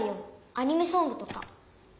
アニメソングとか。